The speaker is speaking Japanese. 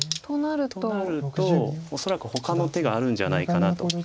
となると恐らくほかの手があるんじゃないかなと。